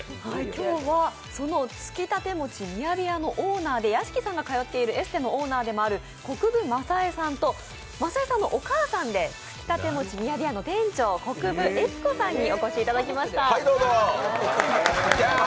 今日は、そのつきたて餅雅やのオーナーで、屋敷さんが通っているエステのオーナーでもある国分雅恵さんと雅恵さんのお母さんで、つきたて餅雅やの店長の悦子さんにお越しいただきました。